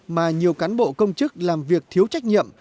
mà nhiều cán bộ công chức làm việc thiếu trách nhiệm